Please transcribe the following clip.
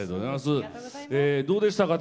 どうでしたか？